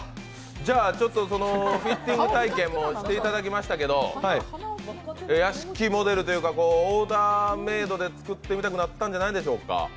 じゃあ、フィッティング体験もしていただきましたけど屋敷モデルというか、オーダーメードで作ってみたくなったんじゃないでしょうか？